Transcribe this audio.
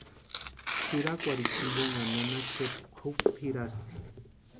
Tsʼirakwarhita jimponha nana Chepa jukwa pʼirasti.